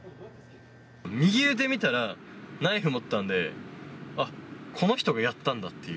右腕見たら、ナイフ持ってたんで、あ、この人がやったんだっていう。